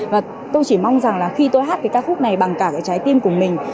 và tôi chỉ mong rằng là khi tôi hát cái ca khúc này bằng cả cái trái tim của mình